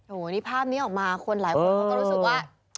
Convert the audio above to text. โอ้โหนี่ภาพนี้ออกมาคนหลายคนเขาก็รู้สึกว่า